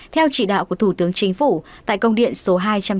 theo chỉ đạo của thủ tướng chính phủ tại công điện số hai trăm chín mươi